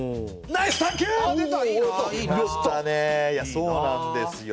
そうなんですよ。